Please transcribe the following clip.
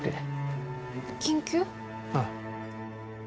ああ。